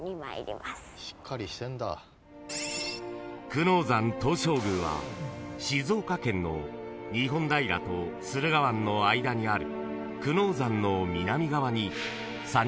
［久能山東照宮は静岡県の日本平と駿河湾の間にある］